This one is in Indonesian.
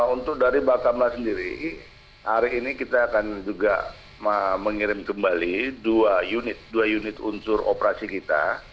untuk dari bakamla sendiri hari ini kita akan juga mengirim kembali dua unit unsur operasi kita